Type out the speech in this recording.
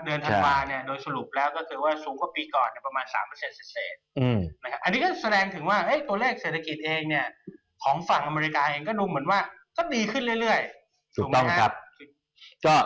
ธันวาเนี่ยโดยสรุปแล้วก็คือว่าสูงกว่าปีก่อนประมาณ๓เศษนะครับอันนี้ก็แสดงถึงว่าตัวเลขเศรษฐกิจเองเนี่ยของฝั่งอเมริกาเองก็ดูเหมือนว่าก็ดีขึ้นเรื่อยถูกไหมครับ